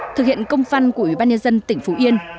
thực hiện công văn của ủy ban nhân dân tỉnh phú yên